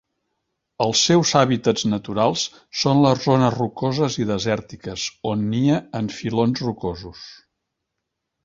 Els seus hàbitats naturals són les zones rocoses i desèrtiques, on nia en filons rocosos.